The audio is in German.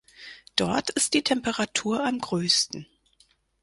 Dort ist die Temperatur am größten.